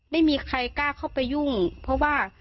ไม่มีใครกล้าเข้าไปยุ่งเพราะว่า